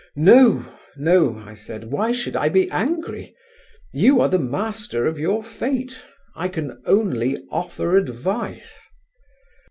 "No, no," I said, "why should I be angry? You are the master of your fate. I can only offer advice."